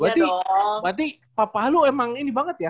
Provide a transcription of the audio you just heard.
berarti berarti papa lo emang ini banget ya